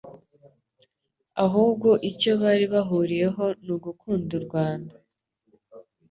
ahubwo icyo bari bahuriyeho ni ugukunda u Rwanda